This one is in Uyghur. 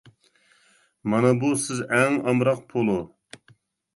مانا بۇ سىز ئەڭ ئامراق پولۇ.